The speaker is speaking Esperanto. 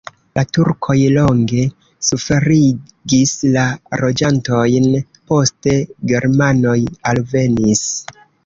La turkoj longe suferigis la loĝantojn, poste germanoj alvenis.